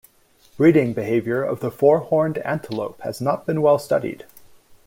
Breeding behaviour of the four-horned antelope has not been well studied.